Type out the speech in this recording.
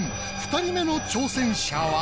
２人目の挑戦者は。